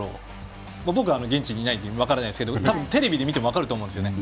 僕は現地にいないので分からないんですがテレビで見ても分かると思うんです。